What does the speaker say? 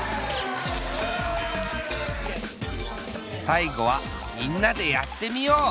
さいごはみんなでやってみよう！